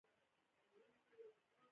جان ډرایډن وایي عادتونه موږ جوړوي.